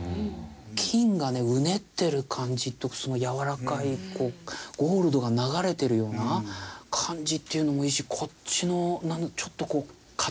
金がねうねってる感じとすごいやわらかいゴールドが流れてるような感じっていうのもいいしこっちのちょっとこう硬めの。